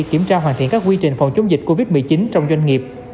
kiểm tra hoàn thiện các quy trình phòng chống dịch covid một mươi chín trong doanh nghiệp